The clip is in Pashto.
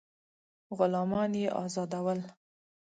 غلامان یې آزادول.